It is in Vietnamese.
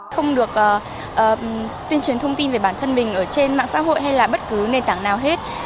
không được tuyên truyền thông tin về bản thân mình ở trên mạng xã hội hay là bất cứ nền tảng nào hết